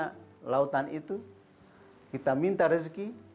karena lautan itu kita minta rezeki